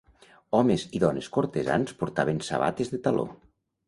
Homes i dones cortesans portaven sabates de taló.